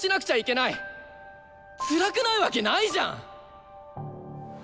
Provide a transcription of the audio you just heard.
つらくないわけないじゃん！